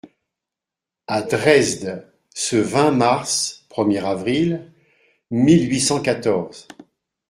»À Dresde, ce vingt mars (premier avril) mille huit cent quatorze.